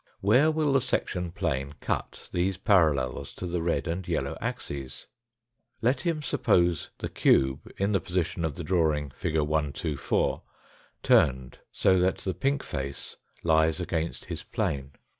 Where will the section plane cut these parallels to the red and yellow axes? Let him suppose the cube, in the position of the drawing, fig. 124, turned so that the pink face lies against his plane.